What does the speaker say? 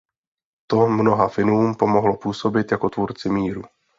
To mnoha Finům pomohlo působit jako tvůrci míru.